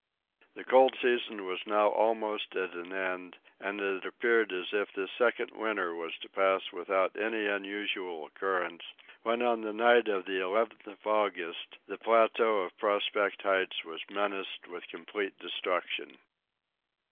The cold season was now almost at an end, and it appeared as if this second winter was to pass without any unusual occurrence, when on the night of the 11th of August, the plateau of Prospect Heights was menaced with complete destruction.